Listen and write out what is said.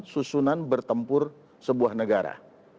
susunan bertempur sebuah negara